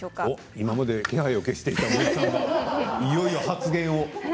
今まで気配を消していたのにいよいよ発言を。